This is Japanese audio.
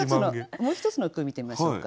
もう一つの句見てみましょうか。